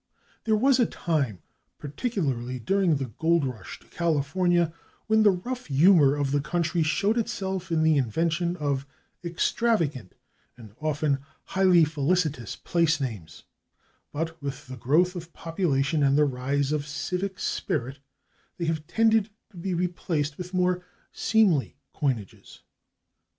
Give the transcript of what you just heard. There was a time, particularly during the gold rush to California, when the rough humor of the country showed itself in the invention of extravagant and often highly felicitous place names, but with the growth of population and the rise of civic spirit they have tended to be replaced with more seemly coinages.